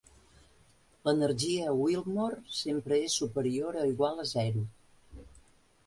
L'energia Willmore sempre és superior o igual a zero.